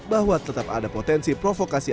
bahwa tetap ada potensi provokasi